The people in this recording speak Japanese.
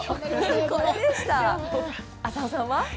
浅尾さんは？